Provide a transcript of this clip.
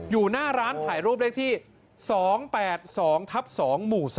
อยู่หน้าร้านถ่ายรูปเลขที่๒๘๒ทับ๒หมู่๓